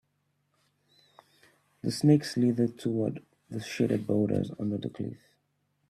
The snake slithered toward the shaded boulders under the cliff.